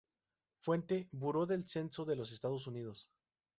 Fuente: Buró del Censo de los Estados Unidos.